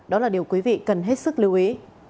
đó là điều quý vị cần hết sức lưu ý